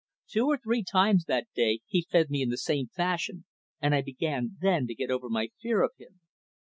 Two or three times that day he fed me in the same fashion, and I began then to get over my fear of him.